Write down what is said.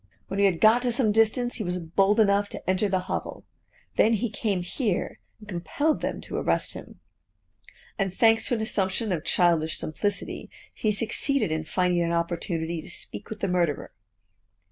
When we had got to some distance, he was bold enough to enter the hovel. Then he came here and compelled them to arrest him; and thanks to an assumption of childish simplicity, he succeeded in finding an opportunity to speak with the murderer.